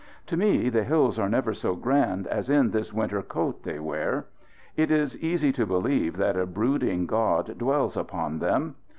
To me the hills are never so grand as in this winter coat they wear. It is easy to believe that a brooding God dwells upon them.